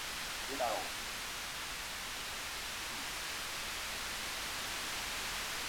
小丑和易装是大师最喜欢的主题。